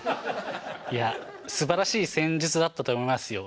いやすばらしい戦術だったと思いますよ。